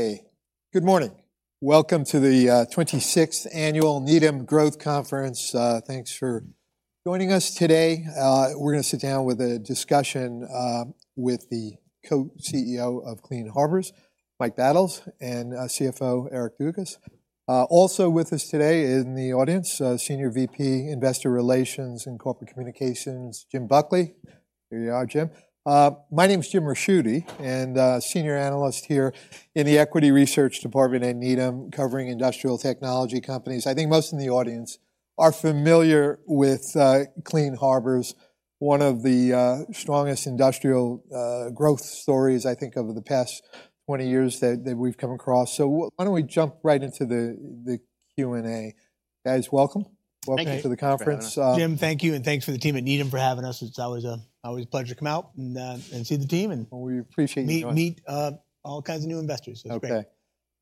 Hey, good morning. Welcome to the 26th Annual Needham Growth Conference. Thanks for joining us today. We're gonna sit down with a discussion with the co-CEO of Clean Harbors, Mike Battles, and CFO, Eric Dugas. Also with us today in the audience, Senior VP, Investor Relations and Corporate Communications, Jim Buckley. Here you are, Jim. My name is Jim Ricchiuti, and senior analyst here in the Equity Research Department at Needham, covering industrial technology companies. I think most in the audience are familiar with Clean Harbors, one of the strongest industrial growth stories, I think, over the past 20 years that we've come across. So why don't we jump right into the Q&A? Guys, welcome. Thank you. Welcome to the conference. Jim, thank you, and thanks for the team at Needham for having us. It's always a, always a pleasure to come out and, and see the team, and- Well, we appreciate you joining. Meet all kinds of new investors. It's great. Okay.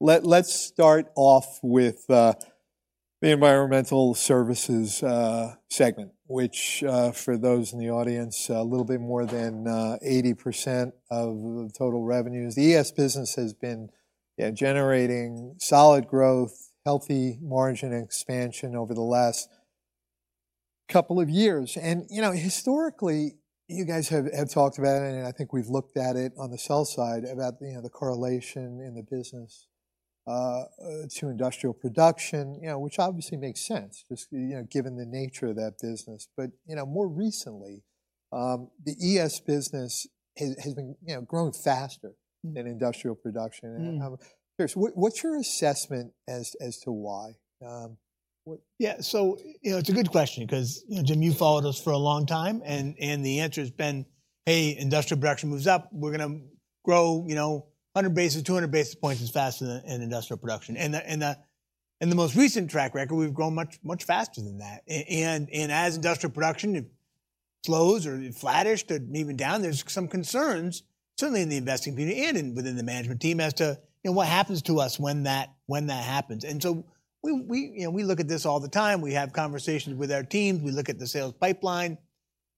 Let's start off with the Environmental Services segment, which, for those in the audience, a little bit more than 80% of the total revenues. The ES business has been, yeah, generating solid growth, healthy margin expansion over the last couple of years. And, you know, historically, you guys have talked about it, and I think we've looked at it on the sell side, about, you know, the correlation in the business to industrial production, you know, which obviously makes sense, just, you know, given the nature of that business. But, you know, more recently, the ES business has been, you know, growing faster- Mm... than industrial production. Mm. And, so what's your assessment as to why? What- Yeah, so, you know, it's a good question 'cause, you know, Jim, you've followed us for a long time, and the answer has been, "Hey, industrial production moves up, we're gonna grow, you know, 100 basis points, 200 basis points as fast as industrial production." And in the most recent track record, we've grown much, much faster than that. And as industrial production slows or flattish or even down, there's some concerns, certainly in the investing community and within the management team, as to, you know, what happens to us when that happens. And so we, you know, we look at this all the time. We have conversations with our teams. We look at the sales pipeline.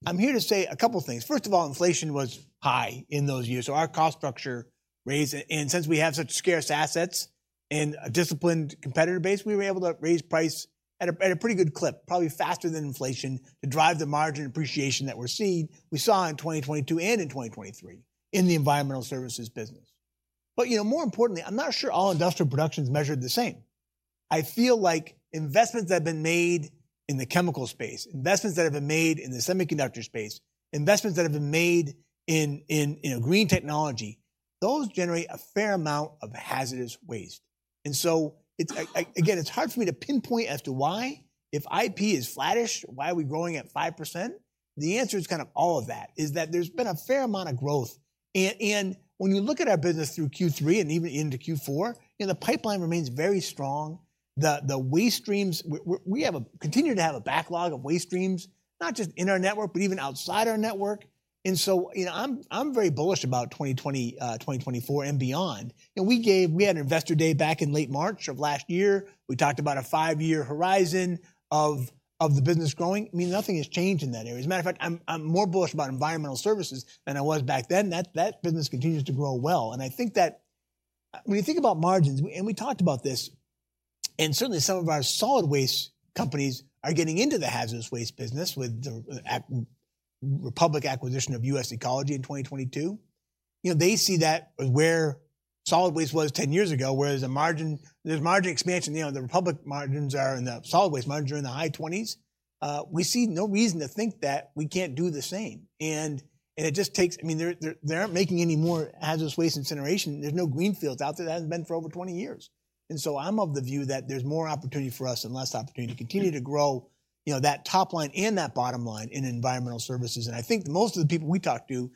I'm here to say a couple of things. First of all, inflation was high in those years, so our cost structure raised. And since we have such scarce assets and a disciplined competitor base, we were able to raise price at a pretty good clip, probably faster than inflation, to drive the margin appreciation that we're seeing, we saw in 2022 and in 2023, in the Environmental Services business. But, you know, more importantly, I'm not sure all Industrial production is measured the same. I feel like investments that have been made in the chemical space, investments that have been made in the semiconductor space, investments that have been made in green technology, those generate a fair amount of hazardous waste. And so it's. I, I. Again, it's hard for me to pinpoint as to why, if IP is flattish, why are we growing at 5%? The answer is kind of all of that, is that there's been a fair amount of growth. And when you look at our business through Q3 and even into Q4, you know, the pipeline remains very strong. The waste streams, we continue to have a backlog of waste streams, not just in our network, but even outside our network. And so, you know, I'm very bullish about 2024 and beyond. And we had an Investor Day back in late March of last year. We talked about a five-year horizon of the business growing. I mean, nothing has changed in that area. As a matter of fact, I'm more bullish about Environmental Services than I was back then. That business continues to grow well, and I think that... When you think about margins, and we talked about this, and certainly some of our solid waste companies are getting into the hazardous waste business with the Republic Services acquisition of US Ecology in 2022. You know, they see that as where solid waste was 10 years ago, whereas the margin—there's margin expansion. You know, the Republic Services margins are, and the solid waste margins are in the high 20s. We see no reason to think that we can't do the same. And, and it just takes—I mean, there, there, they aren't making any more hazardous waste incineration. There's no greenfields out there. There hasn't been for over 20 years. And so I'm of the view that there's more opportunity for us and less opportunity to continue to grow, you know, that top line and that bottom line in environmental services. I think most of the people we talk to,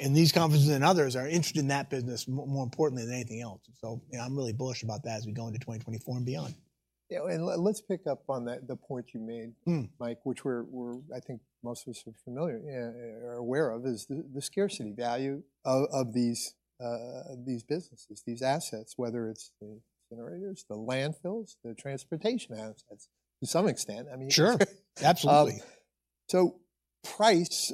in these conferences and others, are interested in that business more importantly than anything else. So, you know, I'm really bullish about that as we go into 2024 and beyond. Yeah, and let's pick up on that, the point you made... Mm... Mike, which we're, I think most of us are familiar or aware of, is the scarcity value of these businesses, these assets, whether it's the incinerators, the landfills, the transportation assets, to some extent. I mean- Sure, absolutely. So price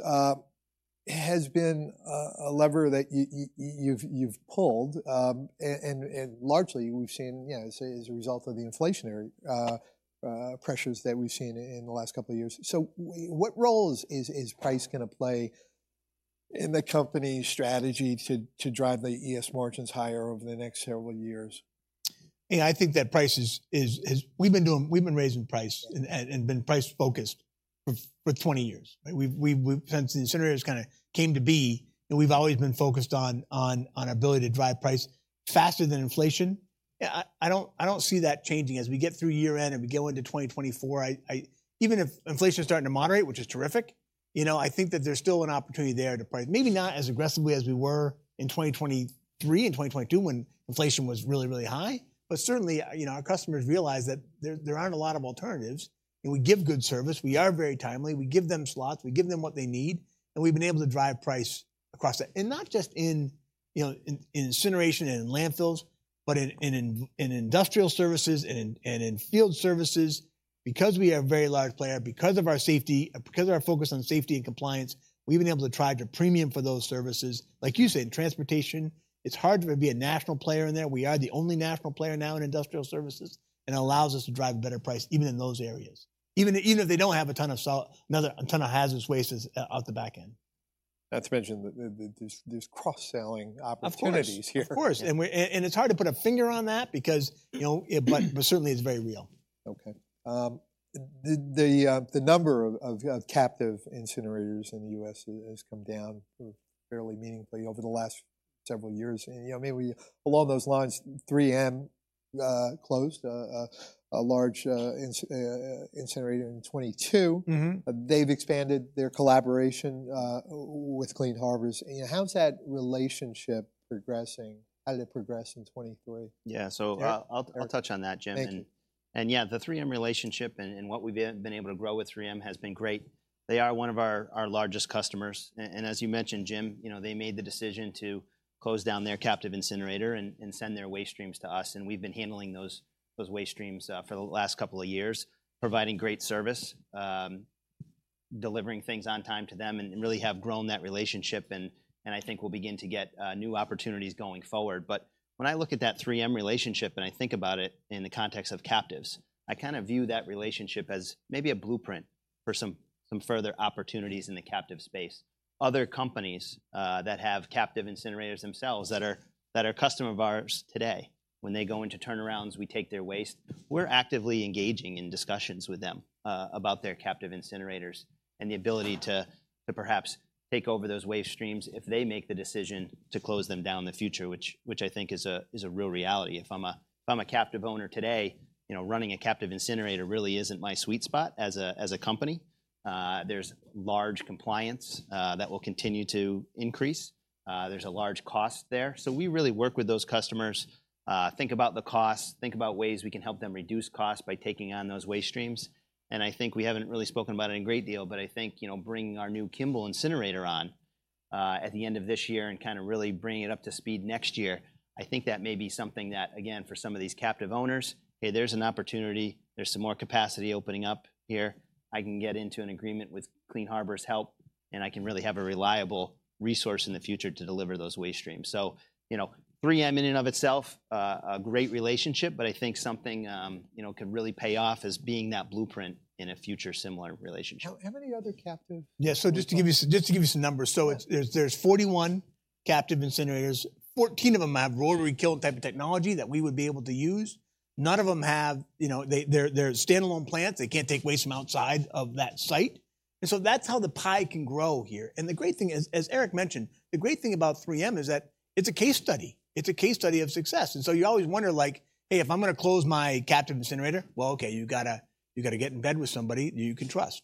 has been a lever that you've pulled, and largely we've seen, you know, as a result of the inflationary pressures that we've seen in the last couple of years. So what role is price gonna play in the company's strategy to drive the ES margins higher over the next several years? Yeah, I think that price is... We've been raising price and been price focused for 20 years, right? We've since the incinerators kind of came to be, and we've always been focused on our ability to drive price faster than inflation. Yeah, I don't see that changing. As we get through year-end and we go into 2024, even if inflation is starting to moderate, which is terrific, you know, I think that there's still an opportunity there to price. Maybe not as aggressively as we were in 2023 and 2022, when inflation was really high, but certainly, you know, our customers realize that there aren't a lot of alternatives, and we give good service. We are very timely, we give them slots, we give them what they need, and we've been able to drive price across the... And not just in, you know, in incineration and in landfills, but in industrial services and in field services. Because we are a very large player, because of our safety, because of our focus on safety and compliance, we've been able to charge a premium for those services. Like you said, transportation, it's hard to be a national player in there. We are the only national player now in industrial services, and it allows us to drive a better price even in those areas. Even if they don't have a ton of hazardous waste at the back end. Not to mention, there's cross-selling opportunities- Of course, of course. And we- And it's hard to put a finger on that because, you know, yeah, but certainly it's very real. Okay. The number of captive incinerators in the U.S. has come down fairly meaningfully over the last several years. You know, maybe along those lines, 3M closed a large incinerator in 2022. Mm-hmm. They've expanded their collaboration with Clean Harbors. And how's that relationship progressing? How did it progress in 2023? Yeah, so Eric?... I'll touch on that, Jim. Thank you. Yeah, the 3M relationship and what we've been able to grow with 3M has been great. They are one of our largest customers, and as you mentioned, Jim, you know, they made the decision to close down their captive incinerator and send their waste streams to us, and we've been handling those waste streams for the last couple of years, providing great service, delivering things on time to them, and really have grown that relationship, and I think we'll begin to get new opportunities going forward. But when I look at that 3M relationship, and I think about it in the context of captives, I kind of view that relationship as maybe a blueprint for some further opportunities in the captive space. Other companies that have captive incinerators themselves, that are customer of ours today, when they go into turnarounds, we take their waste. We're actively engaging in discussions with them about their captive incinerators and the ability to perhaps take over those waste streams if they make the decision to close them down in the future, which I think is a real reality. If I'm a captive owner today, you know, running a captive incinerator really isn't my sweet spot as a company. There's large compliance that will continue to increase. There's a large cost there. So we really work with those customers, think about the costs, think about ways we can help them reduce costs by taking on those waste streams. I think we haven't really spoken about it a great deal, but I think, you know, bringing our new Kimball incinerator on at the end of this year and kind of really bringing it up to speed next year, I think that may be something that, again, for some of these captive owners, "Hey, there's an opportunity, there's some more capacity opening up here. I can get into an agreement with Clean Harbors' help, and I can really have a reliable resource in the future to deliver those waste streams." So, you know, 3M in and of itself, a great relationship, but I think something, you know, can really pay off as being that Blueprint in a future similar relationship. How many other captive- Yeah, so just to give you some numbers. Yeah. So there are 41 captive incinerators. 14 of them have rotary kiln type of technology that we would be able to use. None of them have... You know, they're standalone plants, they can't take waste from outside of that site, and so that's how the pie can grow here. The great thing is, as Eric mentioned, the great thing about 3M is that it's a case study. It's a case study of success, and so you always wonder, like: "Hey, if I'm going to close my captive incinerator," well, okay, you've got to, you've got to get in bed with somebody you can trust.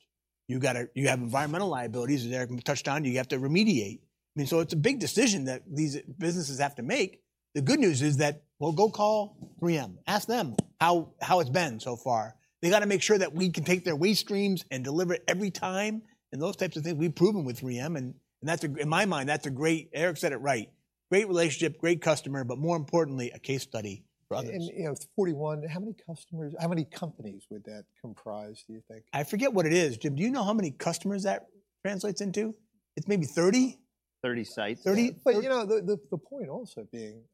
You've got to- you have environmental liabilities, as Eric touched on, you have to remediate. I mean, so it's a big decision that these businesses have to make. The good news is that... Well, go call 3M, ask them how, how it's been so far. They've got to make sure that we can take their waste streams and deliver it every time, and those types of things, we've proven with 3M, and, and that's a, in my mind, that's a great... Eric said it right, great relationship, great customer, but more importantly, a case study for others. You know, 41, how many customers, how many companies would that comprise, do you think? I forget what it is. Jim, do you know how many customers that translates into? It's maybe 30? Thirty sites. Thirty- But, you know, the point also being,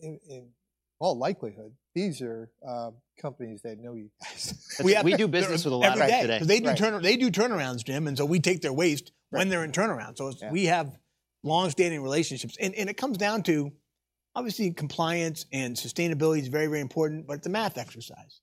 in all likelihood, these are companies that know you guys. We do business with a lot of them today. Every day. Right. 'Cause they do turnarounds, Jim, and so we take their waste- Right... when they're in turnaround. Yeah. We have long-standing relationships. It comes down to, obviously, compliance and sustainability is very, very important, but it's a math exercise.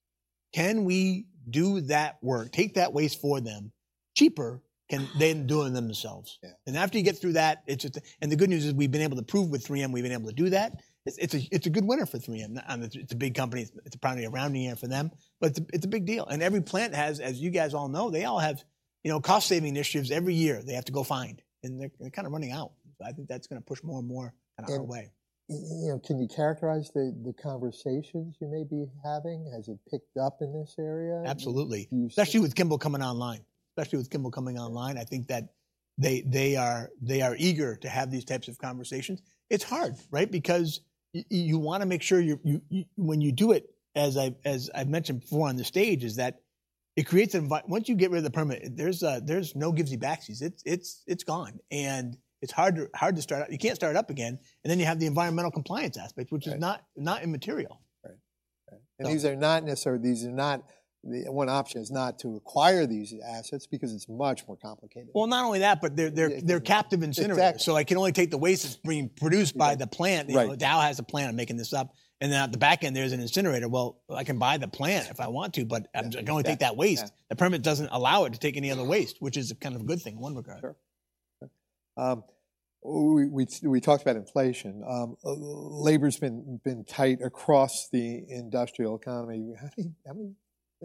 Can we do that work, take that waste for them cheaper than they're doing themselves? Yeah. After you get through that, the good news is, we've been able to prove with 3M, we've been able to do that. It's a, it's a good winner for 3M. And it's a big company, it's probably a rounding error for them, but it's a big deal. And every plant has, as you guys all know, they all have, you know, cost saving initiatives every year, they have to go find, and they're kind of running out. So I think that's going to push more and more kind of our way. You know, can you characterize the conversations you may be having? Has it picked up in this area? Absolutely. Do you see- Especially with Kimball coming online, I think that they are eager to have these types of conversations. It's hard, right? Because you want to make sure you when you do it, as I've mentioned before on the stage, is that it creates once you get rid of the permit, there's no gives you backsies. It's gone. And it's hard to start up. You can't start it up again, and then you have the environmental compliance aspect- Right... which is not immaterial. Right. Right. These are not... The one option is not to acquire these assets, because it's much more complicated. Well, not only that, but they're- Yeah... they're captive incinerators. Exactly. I can only take the waste that's being produced by the plant. Right. You know, Dow has a plant, I'm making this up, and then at the back end, there's an incinerator. Well, I can buy the plant if I want to, but- Yeah... I can only take that waste. Yeah. The permit doesn't allow it to take any other waste, which is kind of a good thing in one regard. Sure. Sure. We talked about inflation. Labor's been tight across the industrial economy. How many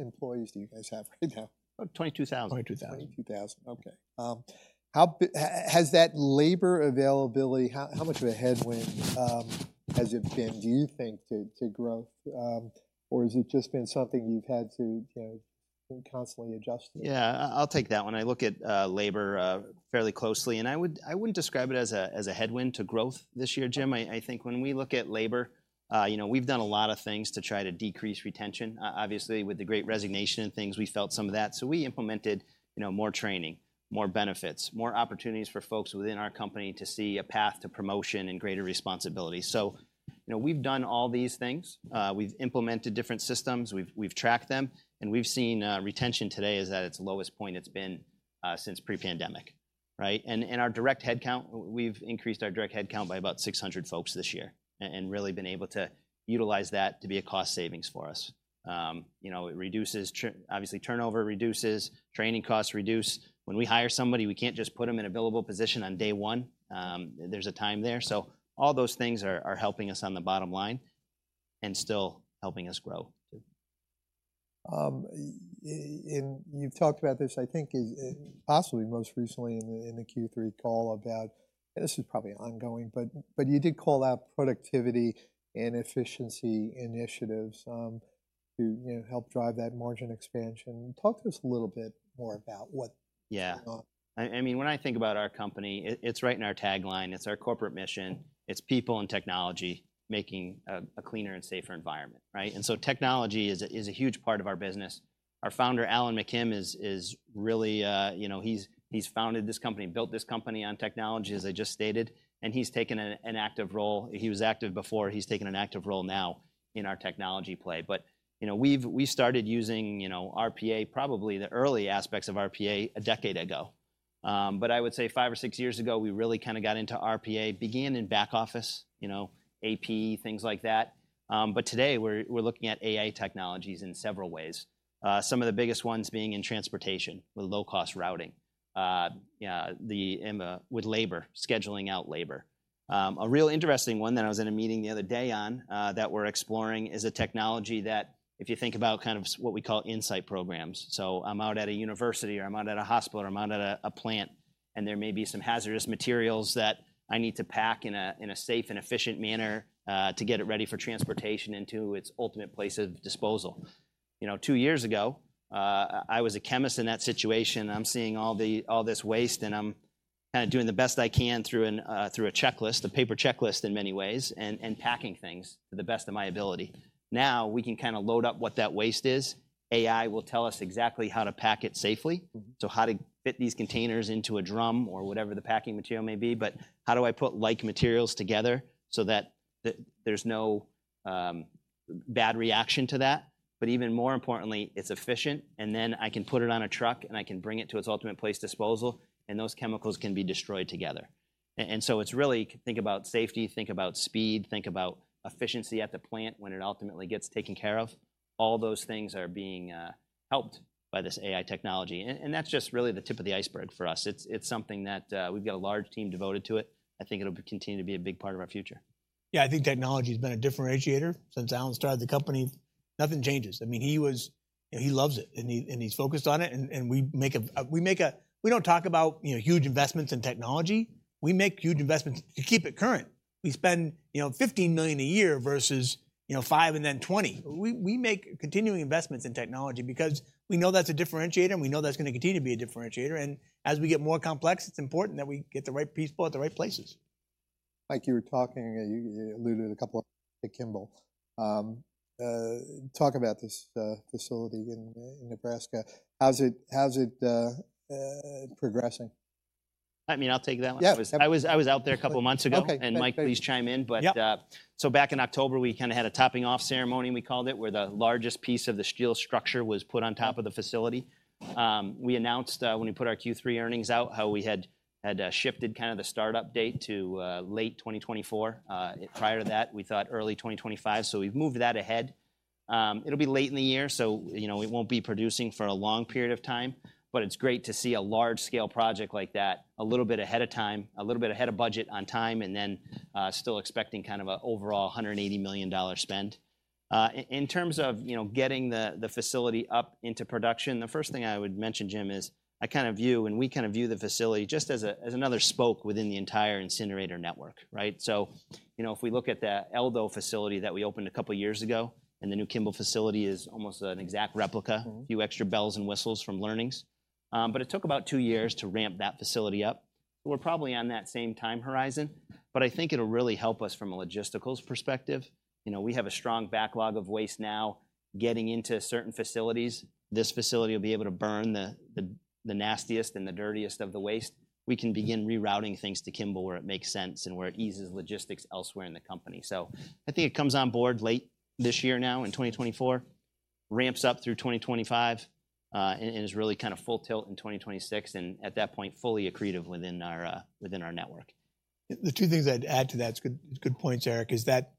employees do you guys have right now? About 22,000. 22,000. 22,000. Okay. How has that labor availability, how much of a headwind has it been, do you think, to growth, or has it just been something you've had to, you know, constantly adjust to? Yeah, I'll take that one. I look at labor fairly closely, and I wouldn't describe it as a headwind to growth this year, Jim. I think when we look at labor, you know, we've done a lot of things to try to decrease retention. Obviously, with the great resignation and things, we felt some of that. So we implemented, you know, more training, more benefits, more opportunities for folks within our company to see a path to promotion and greater responsibility. So, you know, we've done all these things. We've implemented different systems, we've tracked them, and we've seen retention today is at its lowest point it's been since pre-pandemic, right? Our direct headcount, we've increased our direct headcount by about 600 folks this year, and really been able to utilize that to be a cost savings for us. You know, it reduces turnover. Obviously, turnover reduces, training costs reduce. When we hire somebody, we can't just put them in a billable position on day one, there's a time there. So all those things are helping us on the bottom line, and still helping us grow too. You've talked about this, I think, possibly most recently in the Q3 call about. And this is probably ongoing, but you did call out productivity and efficiency initiatives, to you know, help drive that margin expansion. Talk to us a little bit more about what- Yeah. - uh. I mean, when I think about our company, it's right in our tagline, it's our corporate mission, it's people and technology making a cleaner and safer environment, right? And so technology is a huge part of our business. Our founder, Alan McKim, is really, you know, he's founded this company, built this company on technology, as I just stated, and he's taken an active role. He was active before, he's taken an active role now in our technology play. But, you know, we started using, you know, RPA, probably the early aspects of RPA, a decade ago. But I would say five or six years ago, we really kind of got into RPA. Began in back office, you know, AP, things like that. But today, we're looking at AI technologies in several ways. Some of the biggest ones being in transportation, with low-cost routing. Yeah, the, and, with labor, scheduling out labor. A real interesting one that I was in a meeting the other day on, that we're exploring, is a technology that if you think about kind of what we call insight programs. So I'm out at a university, or I'm out at a hospital, or I'm out at a plant, and there may be some hazardous materials that I need to pack in a safe and efficient manner, to get it ready for transportation into its ultimate place of disposal. You know, two years ago, I was a chemist in that situation. I'm seeing all this waste, and I'm kind of doing the best I can through a checklist, a paper checklist in many ways, and packing things to the best of my ability. Now, we can kind of load up what that waste is, AI will tell us exactly how to pack it safely. Mm-hmm. So how to fit these containers into a drum or whatever the packing material may be. But how do I put like materials together so that there's no bad reaction to that? But even more importantly, it's efficient, and then I can put it on a truck, and I can bring it to its ultimate place of disposal, and those chemicals can be destroyed together. And so it's really, think about safety, think about speed, think about efficiency at the plant when it ultimately gets taken care of. All those things are being helped by this AI technology, and that's just really the tip of the iceberg for us. It's something that we've got a large team devoted to it. I think it'll continue to be a big part of our future. Yeah, I think technology's been a differentiator since Alan started the company. Nothing changes. I mean, he was. You know, he loves it, and he's focused on it, and we make. We don't talk about, you know, huge investments in technology. We make huge investments to keep it current. We spend, you know, $15 million a year versus, you know, $5 million and then $20 million. We make continuing investments in technology because we know that's a differentiator, and we know that's going to continue to be a differentiator. And as we get more complex, it's important that we get the right people at the right places. Mike, you were talking, and you alluded a couple of times to Kimball. Talk about this facility in Nebraska. How's it progressing? I mean, I'll take that one. Yeah. I was out there a couple of months ago. Okay. Mike, please chime in. Yep. But so back in October, we kind of had a topping off ceremony, we called it, where the largest piece of the steel structure was put on top of the facility. We announced, when we put our Q3 earnings out, how we had shifted kind of the start-up date to late 2024. Prior to that, we thought early 2025, so we've moved that ahead. It'll be late in the year, so, you know, it won't be producing for a long period of time, but it's great to see a large-scale project like that a little bit ahead of time, a little bit ahead of budget on time, and then still expecting kind of a overall $180 million spend. In terms of, you know, getting the facility up into production, the first thing I would mention, Jim, is I kind of view, and we kind of view the facility just as another spoke within the entire incinerator network, right? So, you know, if we look at the Eldo facility that we opened a couple of years ago, and the new Kimball facility is almost an exact replica- Mm-hmm... a few extra bells and whistles from learnings. But it took about two years to ramp that facility up. We're probably on that same time horizon, but I think it'll really help us from a logistical perspective. You know, we have a strong backlog of waste now getting into certain facilities. This facility will be able to burn the nastiest and the dirtiest of the waste. We can begin rerouting things to Kimball, where it makes sense and where it eases logistics elsewhere in the company. So I think it comes on board late this year now, in 2024, ramps up through 2025, and is really kind of full tilt in 2026, and at that point, fully accretive within our network. The two things I'd add to that, it's good, it's good points, Eric, is that.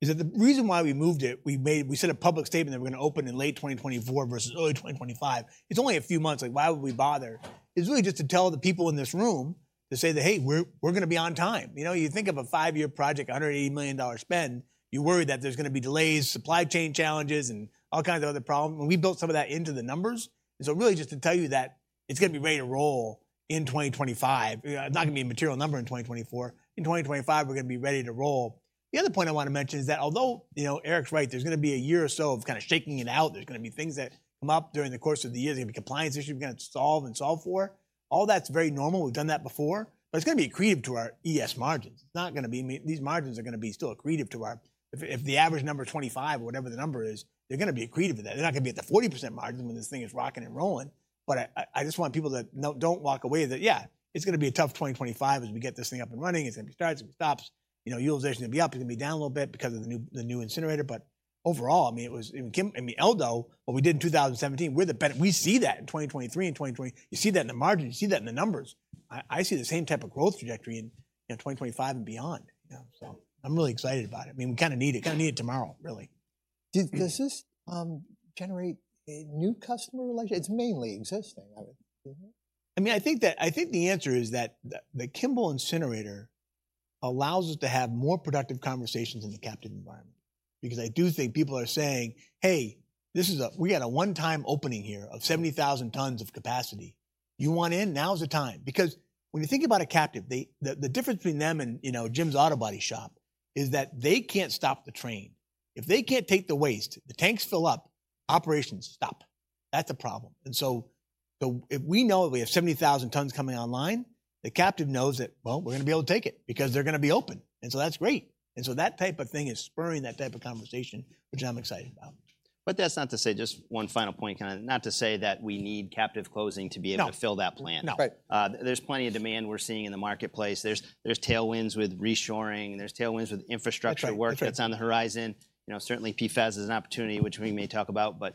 Is that the reason why we moved it, we sent a public statement that we're going to open in late 2024 versus early 2025. It's only a few months, like, why would we bother? It's really just to tell the people in this room, to say that, "Hey, we're, we're going to be on time." You know, you think of a five-year project, a $180 million spend, you worry that there's going to be delays, supply chain challenges, and all kinds of other problems, and we built some of that into the numbers. So really just to tell you that. It's gonna be ready to roll in 2025. It's not gonna be a material number in 2024. In 2025, we're gonna be ready to roll. The other point I wanna mention is that although, you know, Eric's right, there's gonna be a year or so of kinda shaking it out, there's gonna be things that come up during the course of the year. There's gonna be compliance issues we're gonna solve and solve for. All that's very normal. We've done that before, but it's gonna be accretive to our ES margins. It's not gonna be me. These margins are gonna be still accretive to our. If the average number is 25 or whatever the number is, they're gonna be accretive to that. They're not gonna be at the 40% margin when this thing is rocking and rolling, but I just want people to know, don't walk away, that yeah, it's gonna be a tough 2025 as we get this thing up and running. It's gonna be starts, it stops. You know, utilization will be up, it's gonna be down a little bit because of the new, the new incinerator. But overall, I mean, it was, in Kimball-- I mean, Eldo, what we did in 2017, we're the benefit. We see that in 2023 and 2024 you see that in the margins, you see that in the numbers. I, I see the same type of growth trajectory in, in 2025 and beyond, you know. So I'm really excited about it. I mean, we kinda need it, kinda need it tomorrow, really. Does this generate a new customer relationship? It's mainly existing, I mean, isn't it? I mean, I think that, I think the answer is that the, the Kimball incinerator allows us to have more productive conversations in the captive environment. Because I do think people are saying, "Hey, this is a-- we got a one-time opening here of 70,000 tons of capacity. You want in? Now is the time." Because when you think about a captive, they-- the, the difference between them and, you know, Jim's Auto Body Shop, is that they can't stop the train. If they can't take the waste, the tanks fill up, operations stop. That's a problem. And so the-- if we know that we have 70,000 tons coming online, the captive knows that, well, we're gonna be able to take it because they're gonna be open, and so that's great. And so that type of thing is spurring that type of conversation, which I'm excited about. But that's not to say, just one final point, kinda, not to say that we need captive closing to be able- No... to fill that plan. No. Right. There's plenty of demand we're seeing in the marketplace. There's tailwinds with reshoring, and there's tailwinds with infrastructure- That's right... work that's on the horizon. You know, certainly, PFAS is an opportunity which we may talk about, but,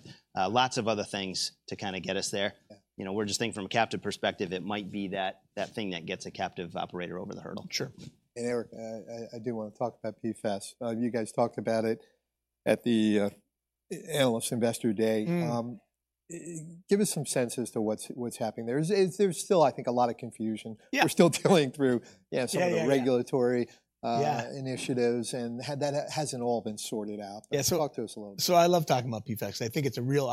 lots of other things to kinda get us there. Yeah. You know, we're just thinking from a captive perspective, it might be that, that thing that gets a captive operator over the hurdle. Sure. Eric, I do wanna talk about PFAS. You guys talked about it at the Analyst Investor Day. Mm. Give us some sense as to what's happening there. There's still, I think, a lot of confusion. Yeah. We're still dealing through- Yeah, yeah, yeah.... some of the regulatory, Yeah ... initiatives, and that hasn't all been sorted out. Yeah, so- Talk to us a little bit. So I love talking about PFAS. I think it's a real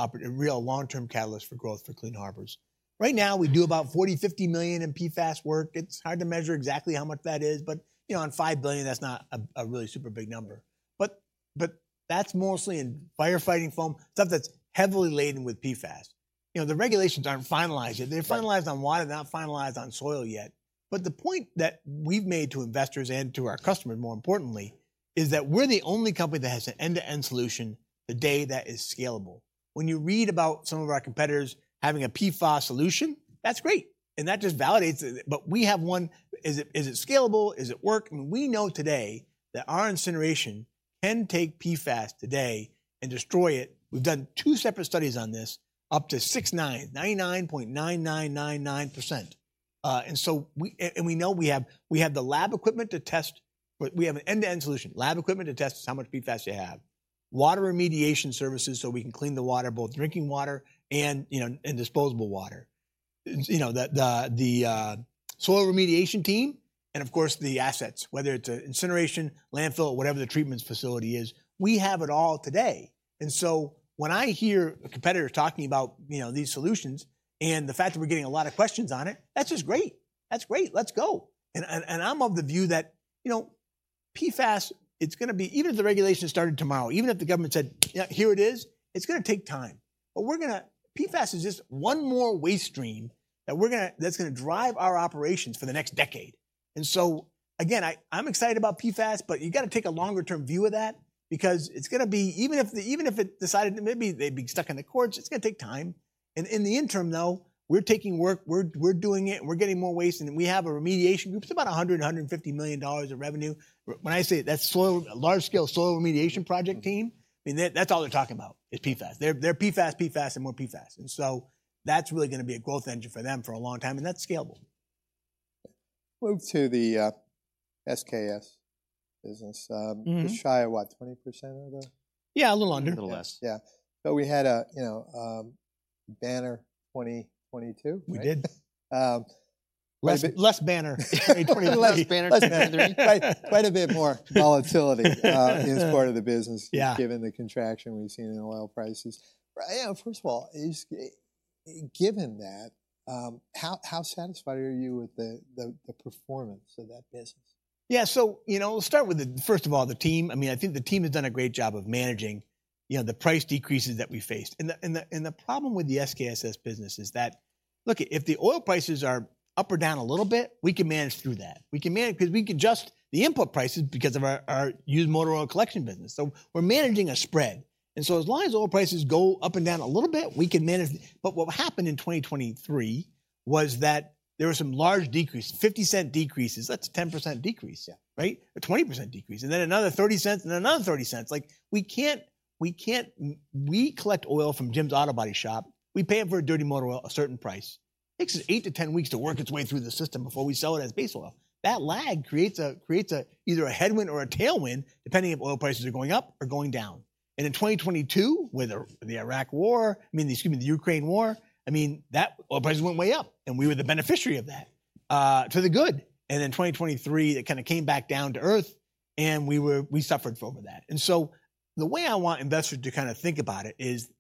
long-term catalyst for growth for Clean Harbors. Right now, we do about $40 million-$50 million in PFAS work. It's hard to measure exactly how much that is, but, you know, on $5 billion, that's not a, a really super big number. But, but that's mostly in firefighting foam, stuff that's heavily laden with PFAS. You know, the regulations aren't finalized yet. They're finalized on water, not finalized on soil yet. But the point that we've made to investors and to our customers, more importantly, is that we're the only company that has an end-to-end solution today that is scalable. When you read about some of our competitors having a PFAS solution, that's great, and that just validates it, but we have one. Is it, is it scalable? Is it working? We know today that our incineration can take PFAS today and destroy it. We've done two separate studies on this, up to 99.9999%. And so we know we have the lab equipment to test, but we have an end-to-end solution. Lab equipment to test just how much PFAS you have. Water remediation services, so we can clean the water, both drinking water and, you know, and disposable water. You know, the soil remediation team and, of course, the assets, whether it's an incineration, landfill, whatever the treatments facility is, we have it all today. And so when I hear a competitor talking about, you know, these solutions and the fact that we're getting a lot of questions on it, that's just great. That's great, let's go! I'm of the view that, you know, PFAS, it's gonna be—even if the regulation started tomorrow, even if the government said, "Yeah, here it is," it's gonna take time. But we're gonna... PFAS is just one more waste stream that we're gonna—that's gonna drive our operations for the next decade. And so, again, I, I'm excited about PFAS, but you've gotta take a longer-term view of that because it's gonna be—even if it decided, maybe they'd be stuck in the courts, it's gonna take time. And in the interim, though, we're taking work, we're doing it, and we're getting more waste. And we have a remediation group. It's about $150 million of revenue. When I say that's slow, a large-scale, slow remediation project team, I mean, that's all they're talking about is PFAS. They're, they're PFAS, PFAS, and more PFAS. And so that's really gonna be a growth engine for them for a long time, and that's scalable. Move to the SKSS business. Mm-hmm. Just shy of what? 20% of the- Yeah, a little under. Little less. Yeah. But we had a, you know, banner 2022. We did. Um, less- Less banner in 2023. Less banner. Less than that. Quite, quite a bit more volatility in this part of the business. Yeah... given the contraction we've seen in oil prices. Right, yeah, first of all, given that, how satisfied are you with the performance of that business? Yeah, so, you know, we'll start with, first of all, the team. I mean, I think the team has done a great job of managing, you know, the price decreases that we faced. And the problem with the SKSS business is that, look, if the oil prices are up or down a little bit, we can manage through that. We can manage it because we can adjust the input prices because of our used motor oil collection business. So we're managing a spread, and so as long as oil prices go up and down a little bit, we can manage. But what happened in 2023 was that there were some large decreases, $0.50 decreases. That's a 10% decrease- Yeah... right? A 20% decrease, and then another $0.30, and then another $0.30. Like, we can't, we collect oil from Jim's Auto Body Shop. We pay them for a dirty motor oil, a certain price. Takes us 8-10 weeks to work its way through the system before we sell it as base oil. That lag creates a, either a headwind or a tailwind, depending if oil prices are going up or going down. And in 2022, with the Iraq War, I mean, excuse me, the Ukraine War, I mean, that, oil prices went way up, and we were the beneficiary of that... to the good. And then 2023, it kind of came back down to earth, and we were. We suffered from that. And so the way I want investors to kind of think about it is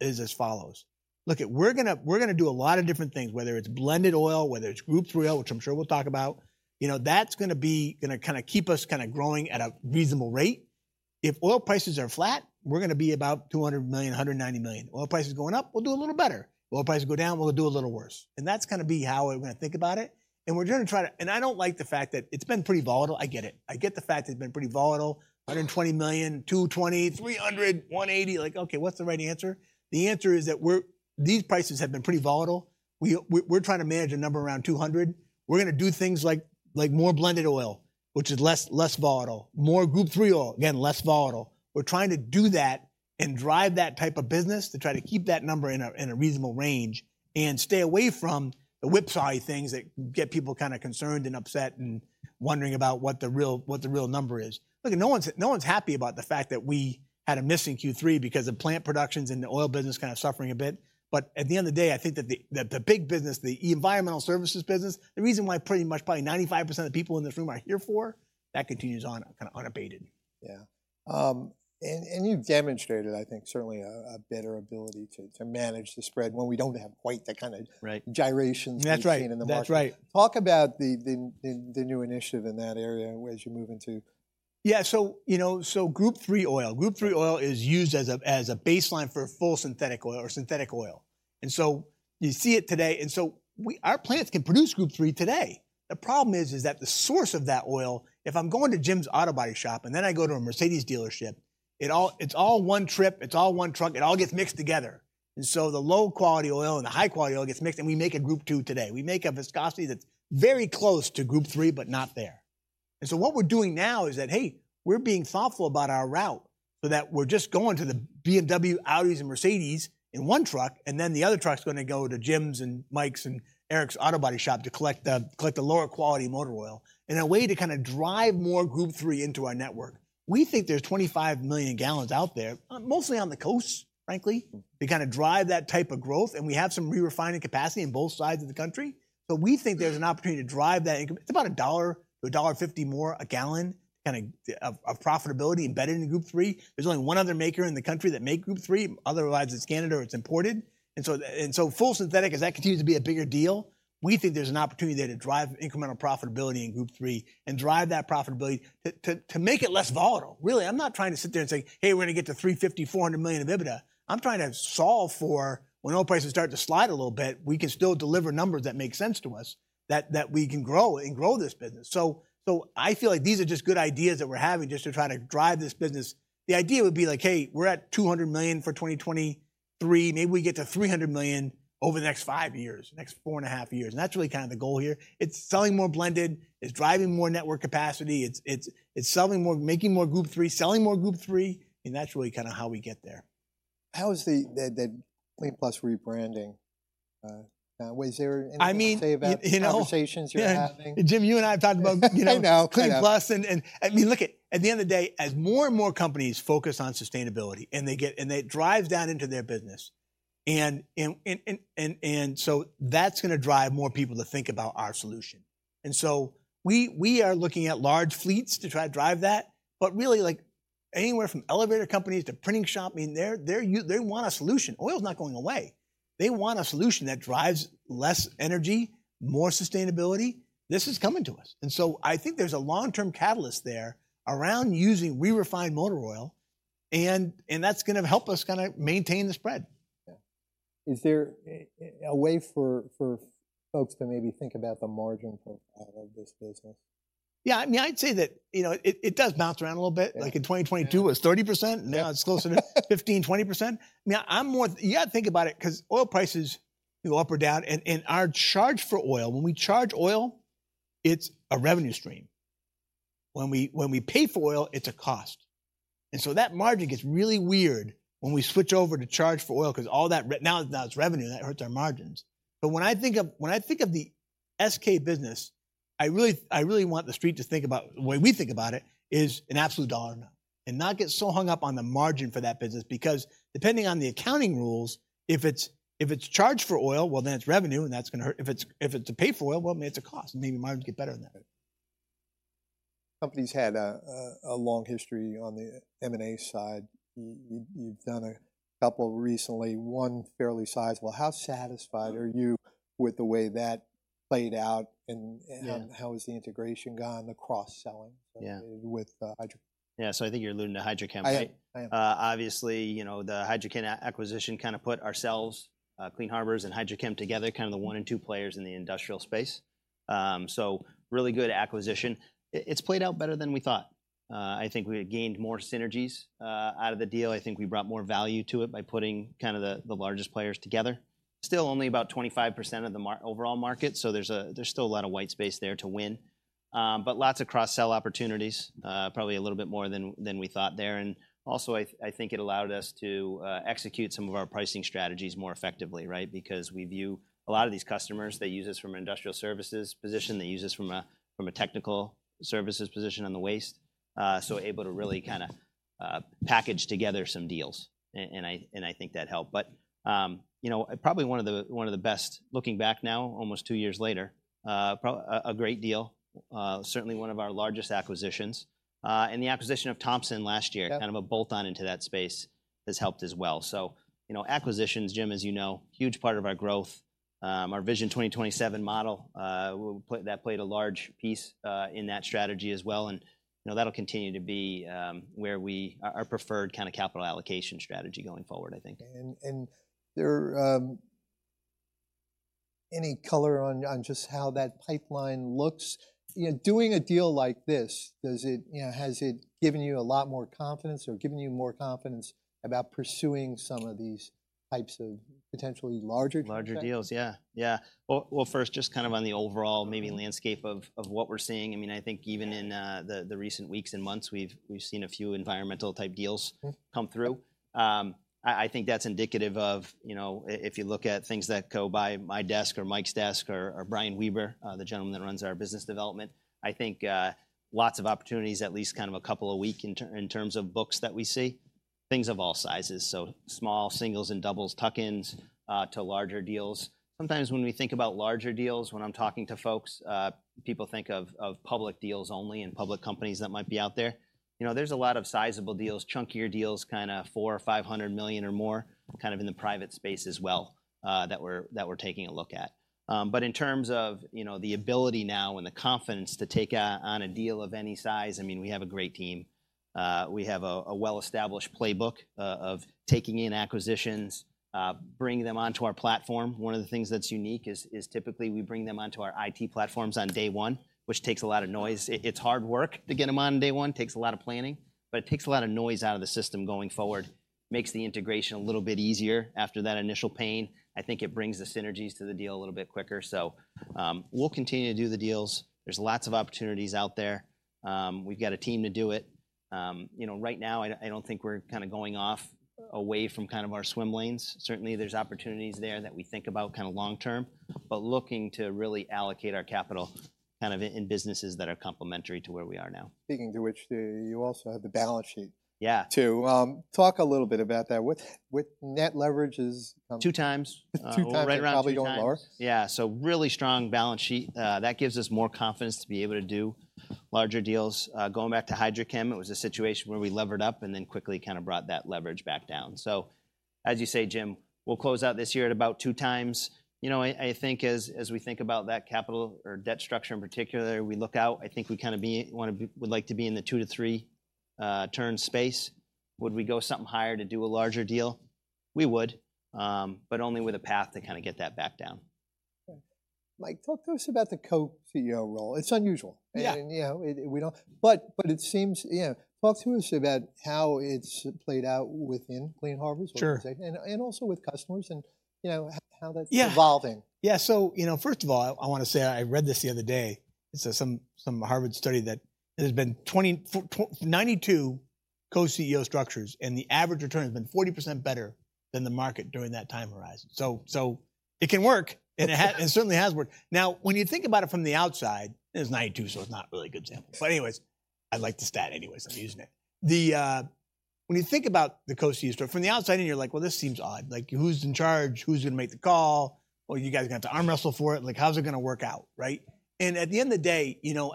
as follows: look at—we're gonna do a lot of different things, whether it's blended oil, whether it's Group Three oil, which I'm sure we'll talk about. You know, that's gonna kind of keep us kind of growing at a reasonable rate. If oil prices are flat, we're gonna be about $200 million, $190 million. Oil prices going up, we'll do a little better. Oil prices go down, we'll do a little worse. And that's gonna be how we're gonna think about it, and we're gonna try to—and I don't like the fact that it's been pretty volatile. I get it. I get the fact that it's been pretty volatile. $120 million, $220 million, $300 million, $180 million. Like, okay, what's the right answer? The answer is that we're, these prices have been pretty volatile. We're trying to manage a number around $200. We're gonna do things like more blended oil, which is less volatile, more Group Three oil, again, less volatile. We're trying to do that and drive that type of business to try to keep that number in a reasonable range and stay away from the whipsaw things that get people kind of concerned and upset and wondering about what the real number is. Look, no one's happy about the fact that we had a missing Q3 because of plant productions and the oil business kind of suffering a bit. But at the end of the day, I think that the big business, the Environmental Services business, the reason why pretty much probably 95% of the people in this room are here for, that continues on kind of unabated. Yeah. And you've demonstrated, I think, certainly a better ability to manage the spread when we don't have quite that kind of- Right... gyrations- That's right - We've seen in the market. That's right. Talk about the new initiative in that area as you move into. Yeah, so, you know, so Group III oil. Group III oil is used as a baseline for full synthetic oil or synthetic oil. And so you see it today, and so we, our plants can produce Group III today. The problem is that the source of that oil, if I'm going to Jim's Auto Body Shop, and then I go to a Mercedes dealership, it all, it's all one trip, it's all one truck, it all gets mixed together. And so the low-quality oil and the high-quality oil gets mixed, and we make a Group II today. We make a viscosity that's very close to Group III, but not there. And so what we're doing now is that, hey, we're being thoughtful about our route so that we're just going to the BMW, Audis, and Mercedes in one truck, and then the other truck's gonna go to Jim's, and Mike's, and Eric's Auto Body Shop to collect the, collect the lower quality motor oil in a way to kind of drive more Group Three into our network. We think there's 25 million gallons out there, mostly on the coasts, frankly, to kind of drive that type of growth, and we have some re-refining capacity in both sides of the country. So we think there's an opportunity to drive that. It's about $1-$1.50 more a gallon, kind of, of, of profitability embedded in Group Three. There's only one other maker in the country that make Group Three. Otherwise, it's Canada, or it's imported. So full synthetic, as that continues to be a bigger deal, we think there's an opportunity there to drive incremental profitability in Group Three and drive that profitability to make it less volatile. Really, I'm not trying to sit there and say: Hey, we're gonna get to $350 million-$400 million of EBITDA. I'm trying to solve for when oil prices start to slide a little bit, we can still deliver numbers that make sense to us, that we can grow and grow this business. I feel like these are just good ideas that we're having just to try to drive this business. The idea would be like, hey, we're at $200 million for 2023. Maybe we get to $300 million over the next 5 years, next 4.5 years, and that's really kind of the goal here. It's selling more blended, it's driving more network capacity, it's selling more, making more Group III, selling more Group III, and that's really kind of how we get there. How is the Kleen+ rebranding, was there anything- I mean- -you can say about- You know- - conversations you're having? Jim, you and I have talked about, you know- I know, clean up... Clean Plus, and I mean, look at the end of the day, as more and more companies focus on sustainability, and they get, and that drives down into their business, and so that's gonna drive more people to think about our solution. And so we are looking at large fleets to try to drive that. But really, like, anywhere from elevator companies to printing shop, I mean, they want a solution. Oil's not going away. They want a solution that drives less energy, more sustainability. This is coming to us. And so I think there's a long-term catalyst there around using re-refined motor oil, and that's gonna help us kind of maintain the spread. Yeah. Is there a way for folks to maybe think about the margin profile of this business? Yeah, I mean, I'd say that, you know, it does bounce around a little bit. Yeah. Like in 2022, it was 30%- Yeah.... now it's closer to 15%-20%. I mean, I'm more... You gotta think about it, 'cause oil prices go up or down, and, and our charge for oil, when we charge oil, it's a revenue stream. When we, when we pay for oil, it's a cost. And so that margin gets really weird when we switch over to charge for oil, 'cause all that re-- now, now it's revenue, and that hurts our margins. But when I think of, when I think of the SK business, I really, I really want the Street to think about, the way we think about it, is in absolute dollar amount, and not get so hung up on the margin for that business. Because depending on the accounting rules, if it's, if it's charged for oil, well, then it's revenue, and that's gonna hurt. If it's a pay for oil, well, it's a cost. Maybe margins get better than that. Company's had a long history on the M&A side. You've done a couple recently, one fairly sizable. How satisfied are you with the way that played out, and- Yeah And how has the integration gone, the cross-selling- Yeah - with Hydro? Yeah, so I think you're alluding to HydroChem, right? I am. Obviously, you know, the HydroChem acquisition kind of put ourselves, Clean Harbors and HydroChem together, kind of the 1 and 2 players in the industrial space. So really good acquisition. It's played out better than we thought. I think we gained more synergies out of the deal. I think we brought more value to it by putting kind of the largest players together. Still only about 25% of the overall market, so there's still a lot of white space there to win. But lots of cross-sell opportunities, probably a little bit more than we thought there. And also, I think it allowed us to execute some of our pricing strategies more effectively, right? Because we view a lot of these customers, they use us from an industrial services position, they use us from a technical services position on the waste. So we're able to really kind of packaged together some deals, and I think that helped. But you know, probably one of the best, looking back now, almost two years later, a great deal, certainly one of our largest acquisitions. And the acquisition of Thompson last year- Yeah - kind of a bolt-on into that space, has helped as well. So, you know, acquisitions, Jim, as you know, huge part of our growth. Our Vision 2027 model, that played a large piece, in that strategy as well, and, you know, that'll continue to be, where we... Our, our preferred kind of capital allocation strategy going forward, I think. Is there any color on just how that pipeline looks? You know, doing a deal like this, does it, you know, has it given you a lot more confidence or given you more confidence about pursuing some of these types of potentially larger deals? Larger deals, yeah. Yeah. Well, first, just kind of on the overall maybe landscape of what we're seeing, I mean, I think even in the recent weeks and months, we've seen a few environmental-type deals- Mm. come through. I think that's indicative of, you know, if you look at things that go by my desk, or Mike's desk, or Brian Weber, the gentleman that runs our business development, I think lots of opportunities, at least kind of a couple a week in terms of books that we see, things of all sizes. So small singles and doubles, tuck-ins, to larger deals. Sometimes when we think about larger deals, when I'm talking to folks, people think of public deals only and public companies that might be out there. You know, there's a lot of sizable deals, chunkier deals, kinda $400 million or $500 million or more, kind of in the private space as well, that we're taking a look at. But in terms of, you know, the ability now and the confidence to take on a deal of any size, I mean, we have a great team. We have a well-established playbook of taking in acquisitions, bringing them onto our platform. One of the things that's unique is typically we bring them onto our IT platforms on day one, which takes a lot of noise. It's hard work to get them on day one, takes a lot of planning, but it takes a lot of noise out of the system going forward, makes the integration a little bit easier after that initial pain. I think it brings the synergies to the deal a little bit quicker. So, we'll continue to do the deals. There's lots of opportunities out there. We've got a team to do it. You know, right now, I don't think we're kinda going off away from kind of our swim lanes. Certainly, there's opportunities there that we think about kinda long term, but looking to really allocate our capital kind of in businesses that are complementary to where we are now. Speaking to which, you also have the balance sheet- Yeah... too. Talk a little bit about that. With net leverage is- Two times. 2 times, and probably going lower? We're right around 2x. Yeah, so really strong balance sheet. That gives us more confidence to be able to do larger deals. Going back to HydroChem, it was a situation where we levered up and then quickly kind of brought that leverage back down. So as you say, Jim, we'll close out this year at about 2x. You know, I think as we think about that capital or debt structure in particular, we look out. I think we kinda wanna be - would like to be in the 2-3 turn space. Would we go something higher to do a larger deal? We would, but only with a path to kinda get that back down. Okay. Mike, talk to us about the co-CEO role. It's unusual. Yeah. And, you know... But, but it seems, you know, talk to us about how it's played out within Clean Harbors- Sure And also with customers and, you know, how that's- Yeah... evolving. Yeah. So, you know, first of all, I wanna say, I read this the other day, it's some Harvard study that there's been 92 co-CEO structures, and the average return has been 40% better than the market during that time horizon. So it can work, and it certainly has worked. Now, when you think about it from the outside, it's 92, so it's not really a good example. But anyways, I like the stat anyways, I'm using it. When you think about the co-CEO structure, from the outside in, you're like, "Well, this seems odd. Like, who's in charge? Who's gonna make the call? Are you guys gonna have to arm wrestle for it? Like, how's it gonna work out, right?" At the end of the day, you know,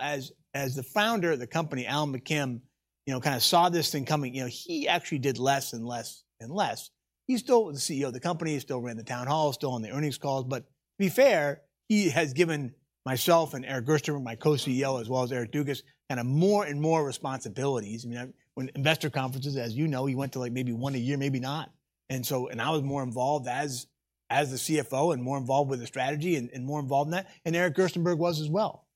as the founder of the company, Alan McKim, you know, kinda saw this thing coming, you know, he actually did less, and less, and less. He's still the CEO of the company, he still ran the town hall, still on the earnings calls, but to be fair, he has given myself and Eric Gerstenberg, my co-CEO, as well as Eric Dugas, kinda more and more responsibilities. I mean, I... When investor conferences, as you know, he went to, like, maybe 1 a year, maybe not. So, I was more involved as the CFO, and more involved with the strategy, and more involved in that, and Eric Gerstenberg was as well.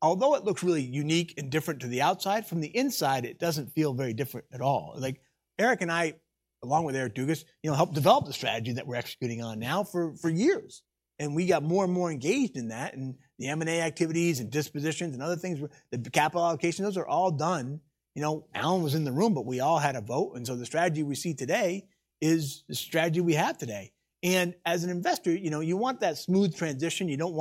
Although it looks really unique and different to the outside, from the inside, it doesn't feel very different at all. Like, Eric and I, along with Eric Dugas, you know, helped develop the strategy that we're executing on now for years. And we got more and more engaged in that, and the M&A activities, and dispositions, and other things, the capital allocation, those are all done. You know, Alan was in the room, but we all had a vote, and so the strategy we see today is the strategy we have today. As an investor, you know, you want that smooth transition. You don't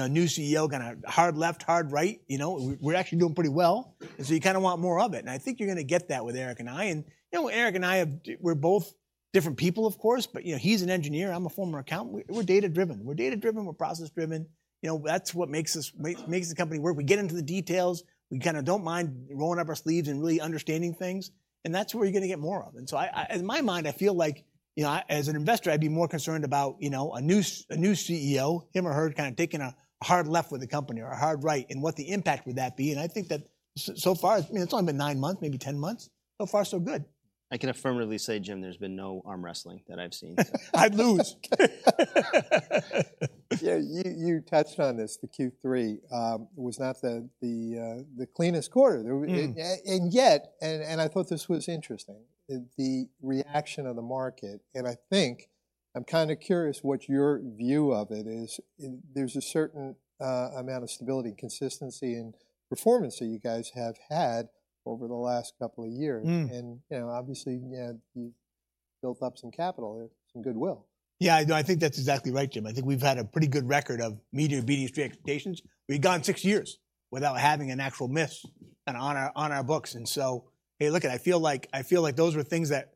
want, you know, a new CEO gonna hard left, hard right. You know, we're actually doing pretty well, and so you kinda want more of it, and I think you're gonna get that with Eric and I. You know, Eric and I have, we're both different people, of course, but, you know, he's an engineer, I'm a former accountant. We're data-driven. We're data-driven, we're process-driven. You know, that's what makes us, makes the company work. We get into the details. We kinda don't mind rolling up our sleeves and really understanding things, and that's what you're gonna get more of. So I, in my mind, I feel like, you know, as an investor, I'd be more concerned about, you know, a new CEO, him or her, kind of taking a hard left with the company or a hard right, and what the impact would that be. I think that so far, I mean, it's only been 9 months, maybe 10 months, so far, so good. I can affirmatively say, Jim, there's been no arm wrestling that I've seen. I'd lose. Yeah, you touched on this, the Q3 was not the cleanest quarter. Mm. And yet, I thought this was interesting, the reaction of the market, and I think I'm kinda curious what your view of it is. There's a certain amount of stability, consistency, and performance that you guys have had over the last couple of years. Mm. You know, obviously, you had built up some capital and some goodwill. Yeah, no, I think that's exactly right, Jim. I think we've had a pretty good record of meeting or beating street expectations. We've gone six years without having an actual miss on our books, and so, hey, look, I feel like, I feel like those were things that,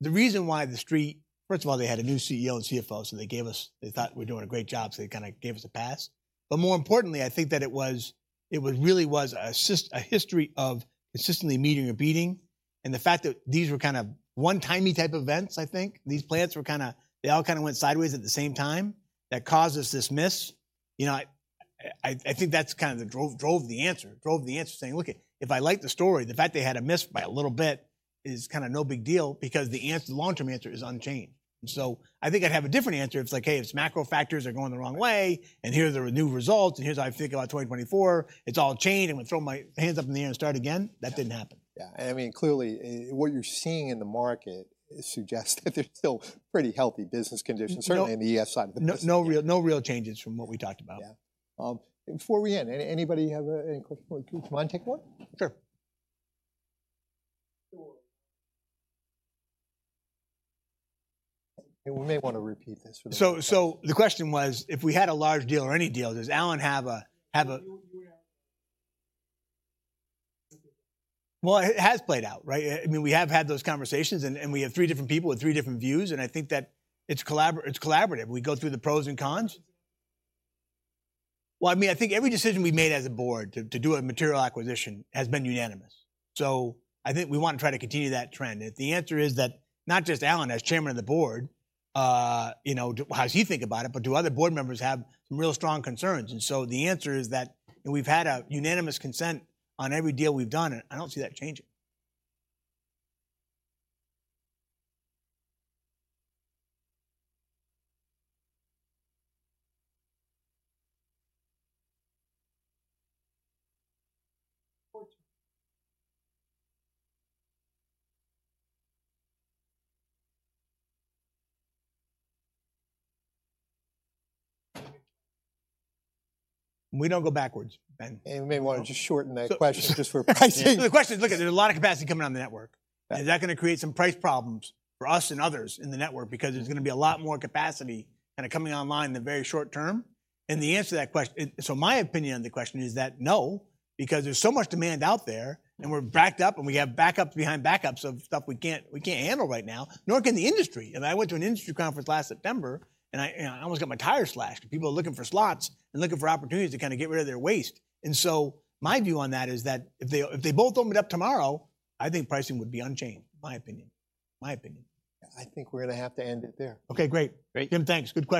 the reason why the street, First of all, they had a new CEO and CFO, so they gave us, they thought we were doing a great job, so they kind of gave us a pass. But more importantly, I think that it really was a history of consistently meeting or beating, and the fact that these were kind of one-timey type events, I think. These plans were kind of, they all kind of went sideways at the same time, that caused us this miss. You know, I think that's kind of the drove the answer, saying: Look, if I like the story, the fact they had a miss by a little bit is kind of no big deal because the answer, the long-term answer is unchanged. And so I think I'd have a different answer if it's like, hey, it's macro factors are going the wrong way, and here are the new results, and here's how I feel about 2024, it's all changed, I'm going to throw my hands up in the air and start again. That didn't happen. Yeah. I mean, clearly, what you're seeing in the market suggests that there's still pretty healthy business conditions, certainly on the ES side of the- No real changes from what we talked about. Yeah. Before we end, anybody have any questions? Do you mind taking one? Sure. Sure. We may want to repeat this for the- So, the question was, if we had a large deal or any deal, does Alan have a- You would have... Well, it has played out, right? I mean, we have had those conversations, and we have three different people with three different views, and I think that it's collaborative. We go through the pros and cons. Well, I mean, I think every decision we've made as a board to do a material acquisition has been unanimous. So I think we want to try to continue that trend. If the answer is that not just Alan, as chairman of the board, you know, how does he think about it, but do other board members have some real strong concerns? And so the answer is that we've had a unanimous consent on every deal we've done, and I don't see that changing. Gotcha. We don't go backwards, Jim. You may want to just shorten that question just for pricing. The question is, look, there's a lot of capacity coming on the network. Yeah. Is that going to create some price problems for us and others in the network? Because there's going to be a lot more capacity kind of coming online in the very short term. And the answer to that question. So my opinion on the question is that no, because there's so much demand out there, and we're backed up, and we have backups behind backups of stuff we can't, we can't handle right now, nor can the industry. And I went to an industry conference last September, and I, and I almost got my tires slashed because people are looking for slots and looking for opportunities to kind of get rid of their waste. And so my view on that is that if they, if they both open it up tomorrow, I think pricing would be unchanged. My opinion. My opinion. I think we're going to have to end it there. Okay, great. Great. Jim, thanks. Good questions.